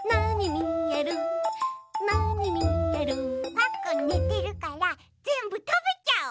パックンねてるからぜんぶたべちゃおう！